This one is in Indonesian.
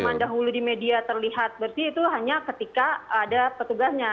zaman dahulu di media terlihat berarti itu hanya ketika ada petugasnya